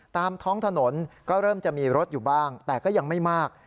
ตามท้องถนนก็เริ่มจะมีรถอยู่บ้างแต่ก็ยังไม่มาก